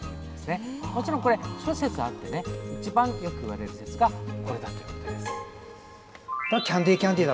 もちろん諸説あってね一番よく言われる説がこれだということです。